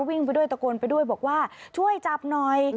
วิ่งไปด้วยตะโกนไปด้วยบอกว่าช่วยจับหน่อย